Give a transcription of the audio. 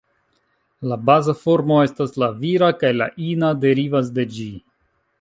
La baza formo estas la vira, kaj la ina derivas de ĝi.